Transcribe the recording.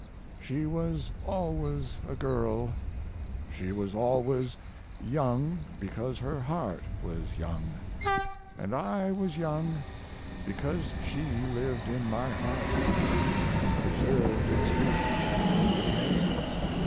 She was always a girl, she was always young because her heart was young; & I was young because she lived in my heart & preserved its youth from decay.